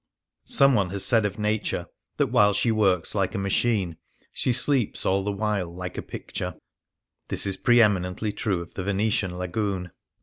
Someone has said of Nature that while she works like a machine she sleeps all the while 93 Things Seen in Venice like a picture. This is pre eminently true of the Venetian Lagoon.